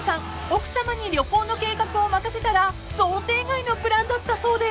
奥さまに旅行の計画を任せたら想定外のプランだったそうで］